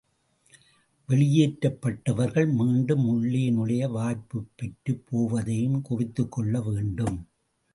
வெளியேற்றப் பட்டவர்கள் மீண்டும் உள்ளே நுழைய வாய்ப்புப் பெற்று போவதையும் குறித்துக்கொள்ள வேண்டும்.